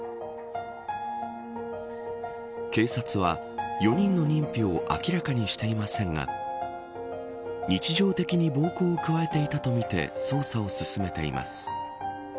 警察は４人の認否を明らかにしていませんが日常的に暴行を加えていたとみて捜査を進めています。